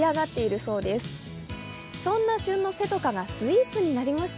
そんな旬のせとかがスイーツになりました。